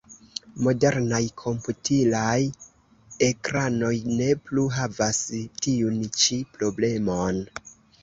Modernaj komputilaj ekranoj ne plu havas tiun ĉi problemon.